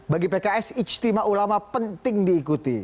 bagi pks ijtima ulama penting diikuti